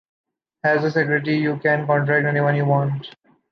Has a secretary, you can contract anyone you want.